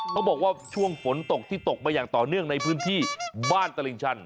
เขาบอกว่าช่วงฝนตกที่ตกมาอย่างต่อเนื่องในพื้นที่บ้านตลิ่งชัน